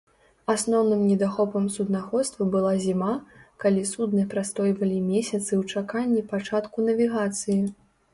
Асноўным недахопам суднаходства была зіма, калі судны прастойвалі месяцы ў чаканні пачатку навігацыі.